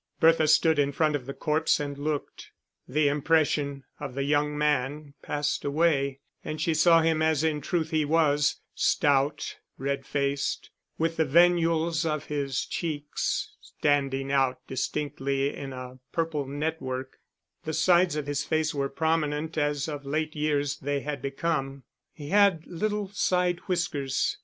Bertha stood in front of the corpse and looked. The impression of the young man passed away, and she saw him as in truth he was, stout, red faced, with the venules of his cheeks standing out distinctly in a purple network; the sides of his face were prominent as of late years they had become; and he had little side whiskers.